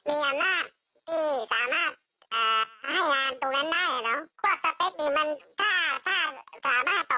แล้วก็มาทนมีรินทนเพื่อทนให้อีก๒ล้านให้คนที่มีอำนาจที่สามารถเอ่อให้งานตรงนั้นได้เนอะ